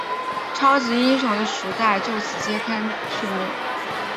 超级英雄的时代就此揭开序幕。